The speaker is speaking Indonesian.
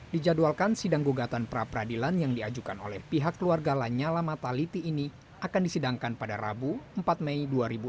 dijadwalkan sidang gugatan pra peradilan yang diajukan oleh pihak keluarga lanyala mataliti ini akan disidangkan pada rabu empat mei dua ribu enam belas